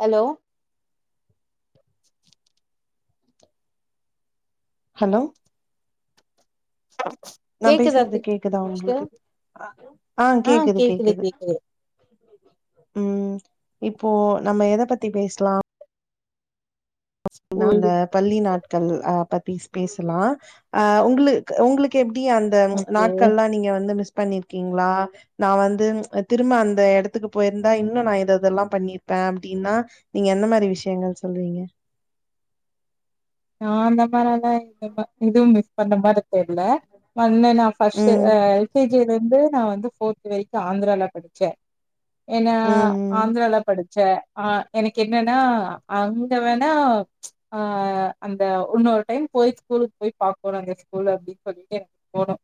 Hello hello [unintelligible] நா பேசுறது கேக்குதா சிஸ்டர் உங்குளுக்கு ஆ கேக்குது கேக்குது ம் இப்போ நம்ம எதப் பத்தி பேஸ் லா இன்னு அந்த ம் பள்ளி நாட்கள் அ ப பீஸ் பேச லா அ உங்குளுக் உங்குளுக்கு எப்டி அந் ந்த ஓகே நாட்கள்ல்லா நீங்க வந்து மிஸ் பண்ணிர்க்கீங்ளா நா வந்து அ திரும்ப அந்த எடத்துக்கு போயிர்ந்தா இன்னு நா எதோதொல்லா பண்ணிர்ப்ப அப்டின்னா நீங்க என்ன மாரி விஷ்யங்கள் சொல்றீங்க நான் ந்தா பரவால்ல [unintelligible] இதுவும் மிஸ் பண் மாரி தெர்ல [unintelligible] நா ஃபஸ்ட்டு ம் ஆ எல் கே ஜிலேந்து நா வந்து ஃபோர்த்து வெரிக்கு ஆந்துரால படிச்சே ஏன்னா ம் ஆந்துரால படு ச ஆ எனக்கென்னன்னா அங்க வேணா ஆ அந்த உன்னோர் டெயிம் போய்ச் ஸ்கூலுக் போய் பாக்குனு அந்த ஸ்கூல் அப்டின் சொல்லிட்டு போணோ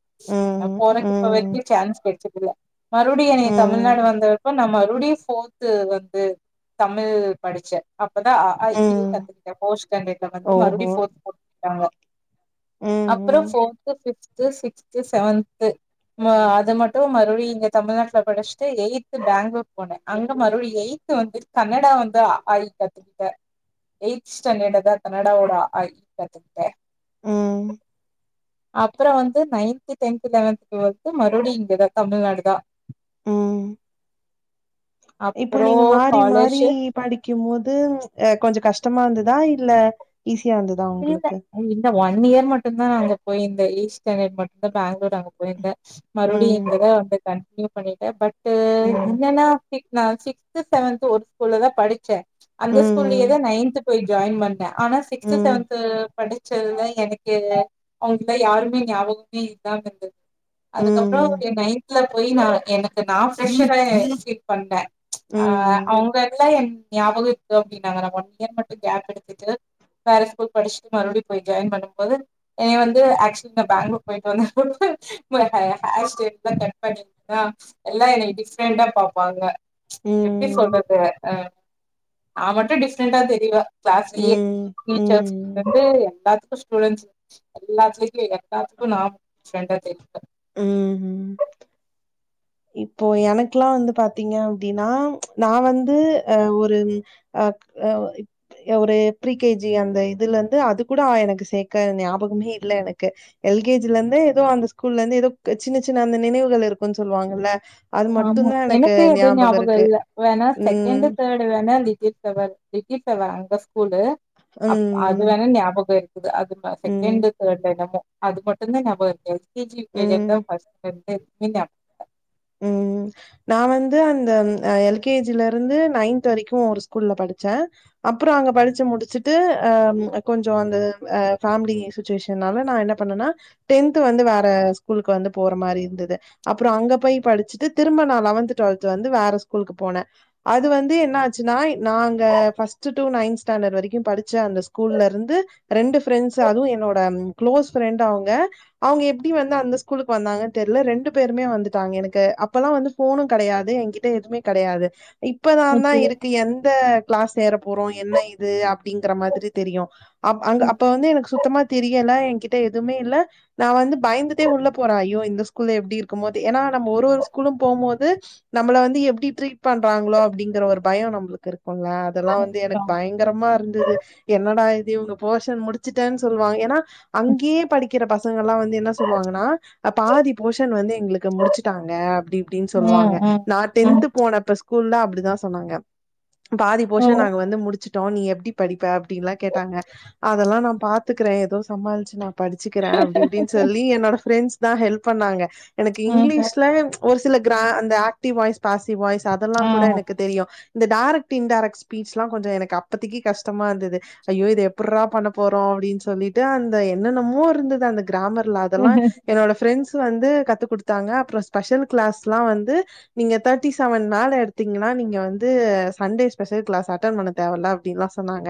அ ம் போறதுக் இப்ப ம் வெரிக்கு சான்ஸ் கெடச்சதுல்ல மறுப்டி என்னைய தமிழ்நாடு ம் வந்தப்போ நா மறுப்டியு ஃபோர் த்து வந்து தமிழ் படிச்சே அப்பதா அ ஆ இ ஈ யே ம் கத்துக்கிட்டே ஃபோர்த் ஸ்டேண்டட்ல வந் ஓஹோ போட்டாங்கோ அப்புறோ ம் ஃபோர்த்து ஃபிஃப்து சிக்ஸ்து செவன்து மு அது மட்டும் மறுப்டியு இங்கே தமிழ்நாட்ல படிஸ்ட்டு எயித்து பெங்ளூர் போனே அங்க மறுப்டியு எயித் த்து வந்து கன்னடா வந்து அ ஆ இ கத்துக்கிட்டே எயித் ஸ்டாண்டடுதா க கன்னடா ஓட அ ஆ இ ஈ கத்துக்கிட்டே ம் அப்புறோ வந்து நயின்த்து டென்த்து லெவன்து டுவெல்து மறுபுடியு இங்கதா தமிழ்நாடு தா ம் இப்போ அப்புறோ நீங்க மாறி மாறி காலர்ஷிப் படிக் க்கும் மோது அ கொஞ்சோ கஷ்டமா இந்துதா இல்ல ஈஸியா இந்துதா உங்குளுக்கு அ இந்த ஒன் இயர் மட்டுந்தா அங்க போயிந்த எயித் ஸ்டேண்டட் மட்டும் பெங்ளூர் அங்கப் பேயிர்ந்த மறுபுடியு ம், இங்கதா வந்து கண்டினிவ் பண்ணிட்டே பட்டு ம், என்னன்னா சிக் நா சிக்ஸ்த்து செவன்த்து ஒரு ஸ்கூல்ல தா படிச்சே அந்த ஸ்கூல்லியேதா ம், நயின்த்து போய் ஜாயின் பண் ட்ட ஆனா சிக்ஸ்த்து ம், செவன்த் து படிச்சதுல எனக்கே அவுங்குல யாருமே ஞாபகமே இல்லாம இருந்துத் அதுக்கப்றோ ம், அவுங்க என் நயின்த்துல போயி நா எனக்கு நா [unintelligible] பண்றே ம், அ ம், அவுங்கெல்லா என் ஞாபகே இர்க்கு அப்டின்னாங்க நாங்க ஒன் இயர் மட்டு கேப் எடுத்துட்டு வேற ஸ்கூல்க் படிஸ்ட்டு மறுபுடியும் போய் ஜாயின் பண்ணும் போது என்னய வந்து ஆக்ச்லி நா பெங்ளூர் போயிட்டு வந்து [unintelligible] இப்ப ஹே ஹேர் ஸ்டைல்லா கட் பண்ணிட்டா எல்லா என்னைய டிஃப்ரெண்டா பாப்பாங்க எப்டி ம், சொல்றது அ நா மட்டும் டிஃப்ரெண்டா தெரிவ க்ளாஸ்லியே டீச்சர்ஸ் ம், வந்து எல்லாத்துக்கோ ஸ்டூடெண்ட்ஸ் எல்லாத்துலையுமே எல்லாத்துக்கோ நா டிஃப்ரெண்டா தெரிவ ம் இப்போ எனக்குலா வந்து பாத்தீங்க அப்டினா நா வந்து அ ஒரு ம் அக் அ வ இப் ஒரு ப்ரீ கே ஜி அந்த இதுலந்து அது கூட ஆ எனக்கு சேக்க ஞாபகமே இல்ல எனக்கு எல் கே ஜிலந்து ஏதோ அந்த ஸ்கூல்லந்து ஏதோ சின்ன சின்ன அந்த நினைவுகள் இருக்குன் சொல்வாங்கல்ல ஆமா எனக்கு எது ஞாபகோ இல்ல வேணா ம் செகெண்டு தே டு வேணா லிட்டில் ஃப்லவர் லிட்டில் ஃப்லவர் அங்க ஸ்கூலு அப் அது ம் வேணா ஞாபகோ இரு க்கு அது ம ம் செகண்டு தேடு என்னமோ அது மட்டு தா ஞாபக இருக்கு L K G U K G ம் ஃபஸ்ட் ஸ்டான்ட் அ இன்னப் ம் நா வந்து அந்த அ எல் கே ஜில இருந்து நைன்த்து வரைக்கு ஒரு ஸ்கூல்ல படிச்ச அப்பறோ அங்க படிச்சு முடிச்சுட்டு அ கொஞ்சோ அந்த அ ஃபேமிலிய சு சுச்சுவேஷனால நா என்ன பண்ணுன டென்த்து வந்து வேற ஸ்கூலுக்கு வந்து போற மாரி இருந்தது அப்பறோ அங்க போய் படிச்சுட்டு திரும்ப நா லெவன்த்து டுவெல்த்து வந்து வேற ஸ்கூலுக்கு போன அது வந்து என்ன ஆச்சுன்னா நாங்க ஃபர்ஸ்ட் டு நைன்த் ஸ்டாண்டர்ட் வரைக்கு படிச்ச அந்த ஸ்கூல்ல இருந்து ரெண்டு ஃப்ரெண்ட்ஸ் அதுவு என்னோட குளோஸ் ஃப்ரெண்ட் அவுங்க அவுங்க எப்டி வந்து அந்த ஸ்கூலுக்கு வந்தாங்கன்னு தெர்ல ரெண்டு பேருமே வந்துட்டாங்க எனக் கு அப்பல்லா வந்து ஃபோனு கடையாது எகிட்ட எதுமே கடையாது இப்பதாதா ஓகே. இருக்கு எந்த கிளாஸ் சேர் போறோ என்ன இது அப்டிங்கற மாதிரி தெரியு அப் அங்க ம். அப்ப வந்து எனக்கு சுத் சுத்தமா தெரியல எகிட்ட எதுமே இல்ல நா வந்து பயந்துட்டே உள்ள போற ஐயோ இந்த ஸ்கூல்ல எப்டி இருக்கும்மோதே ஏனா நம்ப ஒரு ஒரு ஸ்கூலு போம்மோது நம்பள வந்து எப்டி ட்ரீட் பண்றாங்களோ அப்டிங்கற ஒரு பயோ நம்பளுக்கு இருக்குல்ல இதெல்லா வந்து எனக்கு ஆமா. பயங்கரமா இருந்தது என்னடா இது இவுங்க போஷன் முடிச்சுட்டன் சொல்வாங்க ஏனா அங்கேயே படிக்கிற பசங்கள்ல்லா வந்து என்ன சொல்லுவாங்கன்னா பாதி போஷன் வந்து எங்களுக்கு முடி ச்சிட்டாங்க அப்டி இப்டின்னு ம், சொல்லுவாங்க ம், நா டென்த்து ம். போனப்ப ஸ்கூல்ல அப்டிதா சொன்னாங்க பாதி போஷன் நாங்க ம். வந்து முடிச்சு ட்டோ நீ எப்டி படிப்ப அப்டின்னுல்லா கேட்டாங்க அதல்லா நா பாத்துக்கிற ஏதோ சமாளிச்சு நா படிச்சுக்கிற அப்டி இப்டின்னு சொல்லி என்னோட ஃப்ரெண்ட்ஸ் தா ஹெல்ப் பண்ணாங்க எனக்கு ம்ஹ்ம். இங்கிலீஷ் அ ஒரு சில கிரா அந்த ஆக்டிவ் வாய்ஸ் பாசிவ் வாய்ஸ் அதல்லா ஆ. கூட எனக்கு தெரியு இந்த டேரக்ட் இன்டேரக்ட் ஸ்பீச்லா கொஞசோ எனக்கு அப்பதிக்கு கஷ்டமா இருந்துது ஐயோ இத எப்புட்ரா பண்ண போறோ அப்டின் சொல்லிட்டு அந்த என்னென்னமோ இருந்தது அந்த கிராமர்ல அதல்லா ம், என்னோட ஃப்ரெண்ட்ஸ் வந்து கத்து குடுத்தாங்க அப்பறோ ஸ்பெஷல் கிளாஸ்ல்லா வந்து நீங்க தேர்ட்டி செவன் மேல எடுத்தீங்கன்னா நீங்க வந்து சண்டே ஸ்பெஷல் கிளாஸ் அட்டன் பண்ண தேவ இல்ல அப்டில்லா சொன்னாங்க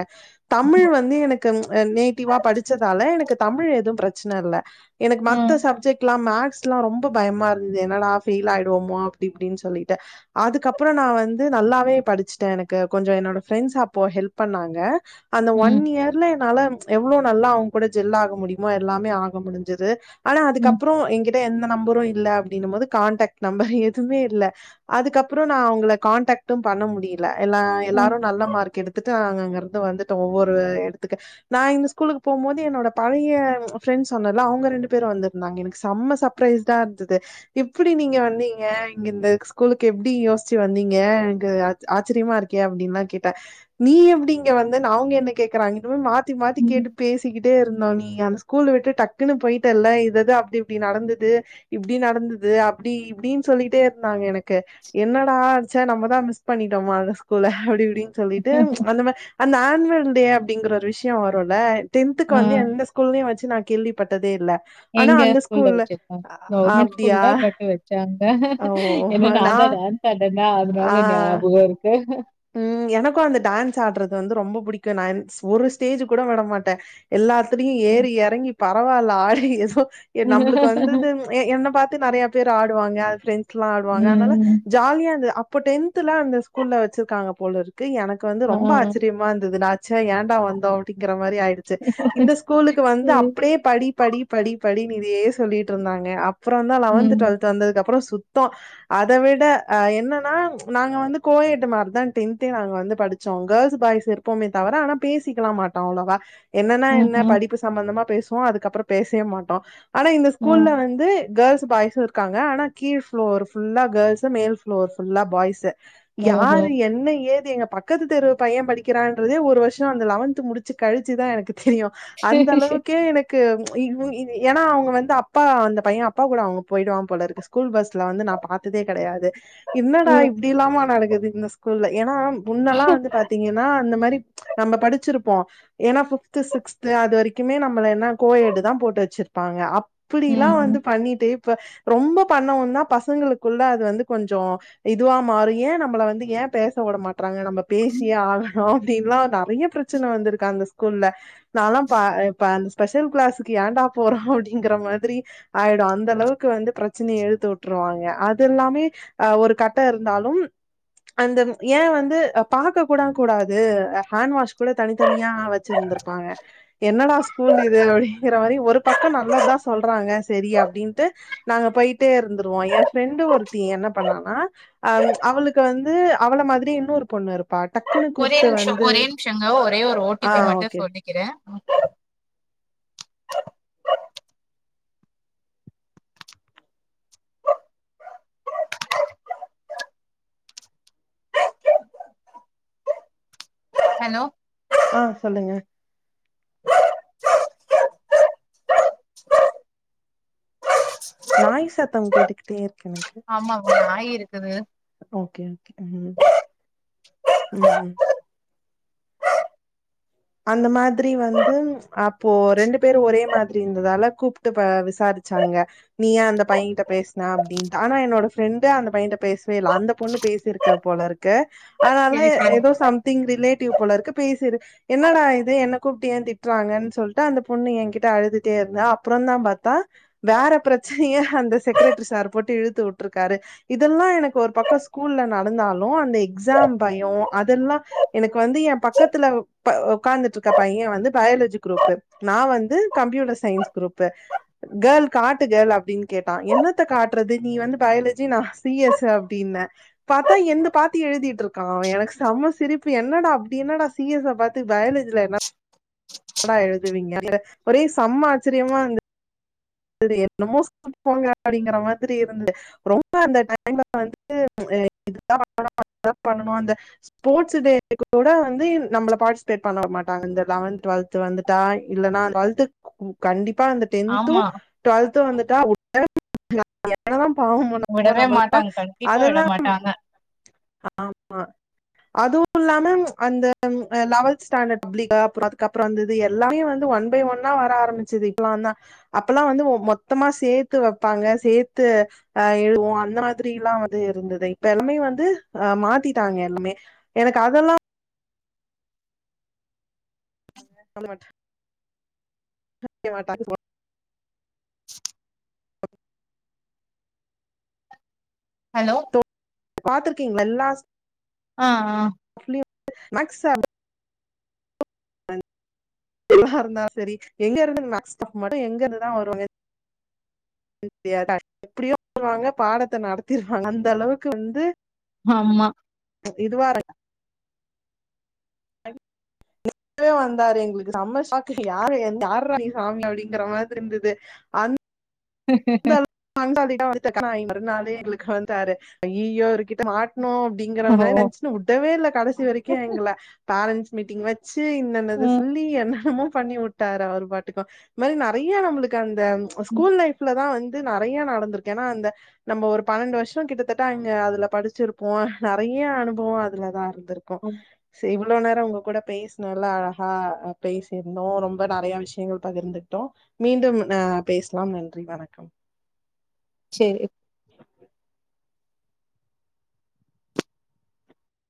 தமிழ் வந்து எனக்கு அ நேட்டிவா படிச்சதால எனக்கு தமிழ் எதுவு பிரச்சன இல்ல எனக்கு மத்த சப்ஜெக்ட்ல்லா மேக்ஸ்ல்லா ரொம்ப பயமா இரு க்கு என்னடா ஃபெயில் ஆயிடுவோமோ அப்டி இப்டின் சொல்லிட்டு அதுக்கப்புறோ நா வந்து நல்லாவே படிச்சிட்ட எனக்கு கொஞ்சோ என்னோட ஃப்ரெண்ட்ஸ் அப்போ ஹெல்ப் பண்ணாங்க அந்த ம், ஒன் இயர்ல என்னால எவ்ளோ நல்லா அவுங்க கூட ஜெல்லாக முடியுமோ எல்லாமே ஆக முடிஞ்சுது ஆனா ம். அதுக்கப்புறோ எங்கிட்ட எந்த நம்பரு இல்ல அப்டின்னும் போது கான்டக்ட் நம்பர் எதுமே இல்ல அதுக்கப்புறோ நா அவுங்கள கான்டக்ட்டு பண்ண முடி ல எல்லா ம், எல்லாரு நல்ல மார்க் எடுத்துட்டு அங்க அங்க இருந்து வந்துட்டோ ஒவ்வொரு எடத்துக்கு நா இந்த ஸ்கூலுக்கு போம்மோது என்னோட பழைய ப்ரெண்ட்ஸ் சொன்னல அவுங்க ரெண்டு பேரு வந்திருந்தாங்க எனக்கு சம்ம சப் பரைஸ்டா இருந்துது எப்டி நீங்க வந்தீங்க இங்க இந்த ஸ்கூலுக்கு எப்டி யோசிச்சு வந்தீங்க அங்க ஆச்சரியமா இருக்கே அப்டின்னுல்லா கேட்ட நீ எப்டி இங்க வந்தனு அவுங்க என்ன கேக்கறாங்க இன்னுமே மா த்தி மாத்தி கேட்டு ம். பேசிக்கிட் டே இருந்தோ நீ அந்த ஸ்கூல்ல விட்டுட்டு டக்குன்னு போயிட்ட இல்ல இதுதா அப்டி இப்டி நடந்தது இப்டி நடந் அப்பிடி இப்டின்னு சொல்லிட்டே இருந்தாங்க எனக்கு என்னடா ச்சே நம்ம தா மிஸ் பண்ணிட்டோம்மா அந்த ஸ்கூல அப்டி இப்டின் சொல்லிட்டு அந்த மா அந்த ஆன்வல் டே அப்டிங்கற ஒரு விஷயே வருன்ல்ல டென்த்துக் ஆ. காவந்து எந்த ஸ்கூல்லையூ வெச்சு நா கேள்விப்பட்டதே இல்ல ஆனா எங்க அந்த ஸ்கூல்ல அப் ஸ்கூல்ல பேட் வைச் சாங்க என்ன நா தா டான்ஸ் ஆட்ணோனா அதனால ஆ ஞாபகோ இருக்கு ம் எனக்கூ அந்த டான்ஸ் ஆட்றது வந்து ரொம்ப புடிக்கூ நா எந் ஒரு ஸ்டேஜ் கூட விட மாட்டே எல்லாத்துலயூ ஏறி எறங்கி பரவாயில்ல ஆடி ஏதோ நம்மளுக்கு வந்தது ம். என்ன பாத்து நெறைய பேர் ஆடுவாங்க ஃப்ரெண்ட்ஸ்லா ஆடுவாங்க அதனால ம். ஜாலியா இருந்தது அப்ப டென்துலா அந்த ஸ்கூல்ல வச்சிருக்காங்க போல இருக்கு எனக் கு வந்து ஆ. ரொம்ப ஆச்சரியமா இருந்தது நா ச்செ ஏண்டா வந்தோ அப்டிங்கிற மாதிரி ஆயிடுச்சு இந்த ஸ் கூல்ல ‌இர்ந்து வந்து ம். அப்டியே படி படி படி படி இதையே சொல்லிட்டு இருந்தாங்க அப்றோ தா லெவன்த் ம். டுவெல்த் க்கு வந்ததுக்கு அப்புறோ சுத்தே அத விட என்னன்னா நாங்க வந்து கோயட்டு மாற் தா டென்தே அங்க வந்து படிச்சோ கேர்ள்ஸ் பாயஸ் இருப்போமே தவிர ஆனா பேசிக்கலா மாட்டோ அவ்ளவா என்னன்னா என்ன ம்ஹ்ம். படிப்பு சம்பந்தமா பேசுவோ அதுக்கப்புறோ பேசவே மாட்டோ ஆனா இந்த ம். ஸ்கூல்ல வந்து கேர்ள்ஸ் பாய்ஸ் இருக் காங்க ஆனா கீழ் ப்ளோர் ஃபுல்லா கேர்ள்ஸ்ஹு மேல் ப்ளோர் ஃபுல்லா பாய்ஸ்ஹு ஓஹோ! யார் என்ன ஏது எங்க பக்கத்து தெருவு பையே படிக்கிறான்றதே ஒரு வருஷோ அந்த லெவன்த் முடிச்சு கழிச்சு தா எனக்கு தெரியூ அந்தளவுக்கு எனக் கு இ உ இ ஏனா அவுங்க வந்து அப்பா அந்த பைய அப்பா கூட அவுங்க போயிடு வான் போலருக்கு ஸ்கூல் பஸ்ல வந்து நா பாத்ததே கெடையாது என்னடா ம். இப்டிலாமா நடக்குது இந்த ஸ்கூல்ல ஏனா முன்னல்லா வந்து பாத்தீங்கனா இந்த மாரி நம்ம படிச்சிருப்போ ஏனா பிஃப்து சிக்ஸ்து அது வரைக்குமே நம்ள ‌எல்லா கோயெட் தா போட்டு வச்சிருப்பாங்க அப் இப்டிலா ம், ம். வந்து பன்னிட்டு இப்ப ரொம்ப பன்னவு தா பசங்களுக்குள்ள அது வந்து கொஞ்சொ இதுவா மாரூ ஏ நம்பள வந்து ஏ பேச விட மாட்டறாங்க நம்ம பேசியே ஆகணூ அப்படின்னுலா நெறய பிரச்சன வந்திருக்கு அந்த ஸ்கூல்ல நாலா பா இப்ப அந்த ஸ்பெஷல் கிளாஸுக்கு ஏன்டா போறோ அப்டிங்கிற மாதிரி ஆயிடும் அந்த அளவுக்கு வந்து பிரச்சனைய இழுத்து விட்டுருவாங்க அது இல்லாமே ஒரு கட்ட இர்ந்தாலும் அந்தன் ஏ வந்து பாக்க கூட கூடாது ஹேண்ட் வாஷ் கூட தனித்தனியா வச்சிருந்திருப்பாங்க என்னடா ஸ்கூல் இது அப்டிங்கற மாரி ஒரு பக்கொ நல்லத்தா சொல்றாங்க சரி அப்டின்ட்டு நாங்க போயிட்டேருந்துருவோ ஏ ஃப்ரெண்டு ஒருத்தி என்ன பண்ணானா அ அவுளுக்கு வந் து அவள மாதிரியே இன்னொரு பொண்ணு இருப்பா டக்கு ஒரே நிம்ஷோ ஒரே நிம்ஷெங்க ஒரே ஒரு ஆ ஓடிபி மட்டூ ஓகே சொல்லிக்கிறே ஹலோ ஆ சொல்லுங்க நாய் சத்தம் கேட்டுக்கிட்டே இருக்கு எனக்கு ஆமா நாய் இருக்குது. ஓகே ஓகே ம் ம் ஹூம் அந்த மாதிரி வந்து அப்போ ரெண்டு பேரு மாரி இருந்ததால கூப்ட்டு ப விசாரிச்சாங்க நீ ஏ அந்த பையங்கிட்ட பேசின அப்டின்னுட்டு ஆனா என்னோட ஃப்ரெண்டு அந்த பையன்ட்ட பேசவே இல்ல அந்த பொண்ணு பேசியிருக்க போலர்க் கு அதனால சரி, தா சரி. ஏதோ சம்திங் ரிலேட்டிவ் போலருக்கு பேசிருக் என்னடா இது என்ன கூப்டு ஏ திட்றாங்கன்னு சொல்ட்டு அந்த பொண்ணு எங்கிட்ட அழுதுட்டே இருந்தா அப்புறம்தா பார்த்தா வேற பிரச்சனய அந்த செக்ரட்டரி சார் போட்டு இழுத்து உட்ருக்காரு இதெல்லா எனக்கு ஒரு பக்கொ ஸ்கூல்ல நடந்தாலு அந்த எக்ஸாம் பயொ அதெல்லா எனக்கு வந்து ஏ பக்கத்துல ப ஒக்கார்ந்துட்டுருக்க பைய வந்து பயாலஜி குரூப்பு நா வந்து கம்ப்யூட்டர் சயின்ஸ் குரூப்பு கேர்ள் காட்டு கேர்ள் அப்டின் கேட்டா என்னத்த காட்றது நீ வந்து பயாலஜி நா சி எஸ் அப்டின்ன பாத்தா என்த பாத்தி எழுதிட்ருக் கா எனக்கு செம சிரிப்பு என்னடா அப்டி என்னடா சி எஸ் ச பாத்து பயாலஜில என்ன என்னடா எழுதுவீங்க ஒரே செம்மா ஆச்சரியமாருந்து து செரி என்னமோ சொல்ட்ப்போங்க அப்டிங்கிற மாரி இருந்து ரொம்ப அந்த டைம்ல வந்து இதுதா பன்னனு அதுதா பன்னனு அந்த ஸ்போர்ட்ஸ் டே கூட வந்து நம்பள பார்ட்டிசிபேட் பண்ண உடமாட்டாங்க இந்த லெவன்த் டுவெ்த் து வந்துட்டா இல்லன்னா அந்த அழுது கண்டிப்பா வந்து டென்த்தும் ஆமா. டுவெல்த்தும் வந்துட்டா உடவே நம்ம என்னதா பாவம் பண்ணமோ விடவே நம்மலா மாட்டாங்க. கண்டிப்பா விட அதெல்லாம் மாட்டாங்க. ஆமா அதுவு இல்லாம அந்த லெவன்த் ஸ்டாண்டர்ட் பப்ளிக்கா அப்றோ அதுக்கப்பறொ வந்து இது எல்லாமே வந்து ஒன் பை ஒன்னா வர ஆரம்பிச்சது இப்பலாந்தா அப் பல்லா வந்து மொத்தமா சேத்து வப்பாங்க சேத்து அ எழுவோ அந்த மாதிரி எல்லா வந்து இருந்துது இப்ப எல்லாமே வந்து அ மாத்திட்டாங்க எல்லாமே எனக்கு அதெல்லா சொல்லமாட் கே மாட்டாங் சொல்வா ஹலோ பாத்ருக்கீங் எல்லா சு ஆ ஆ [unintelligible] மேக்ஸ் சார்த எல்லாம் இருந்தா செரி எங்க இருதுங்க நஷ்டம் மட்டும் எங்க இருதா வருவங்க [unintelligible] எப்படியும் வருவாங்க பாடத்த நடத்திருவாங்க அந்த அளவுக்கு வந்து ஆமா இதுவாருக் வே வந்தாரு எங்களுக்கு செம்ம ஷாக் யாரு இந் யாருடா சாமி அப்படிங்கிற மாதிரி இருந்தது அந் பங்காலிட்டா வந்துக்கன் நா மறுநாளே எங்களுக்கு வந்ந்தாரு ஐயயோ இவரு கிட்ட மாட்ணோம் அப்படிங்கற ஓ. நென்சு உடவே இல்ல கடைசி வரைக்கும் எங்கல பேரன்ட்ஸ் மீட்டீங் வ ச்சி என்னன்னத ம். சொல்லி பண்ணி உட்டாரு ஒரு பாட்டுக்கும் இந் மாதிரி நறைய நம்மளுக் கந்த ம். ஸ்கூல் லைஃப்ல தான் வந்து நறைய நடந்திருக்கு ஏன்னா இந்த நம்ம ஒரு பனெண்டு வருஷம் கிட்டத்தட்ட அங்க அதுல படிச்சிருப்போம் நறைய அனுபவோ அதுலதான் இருக்கும் செய்வு இவ்ளோ நேரம் உங்க கூட பேசினல்லா அழகா பேசியிருந்தோம் ரொம்ப நறைய விஷ்யங்கள் பகிர்ந்துகிட்டோம் மீண்டும் அ பேசலாம் நன்றி வணக்கம் சேய